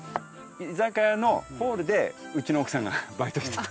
居酒屋のホールでうちの奥さんがバイトしてた。